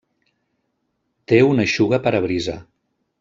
Té un eixugaparabrisa.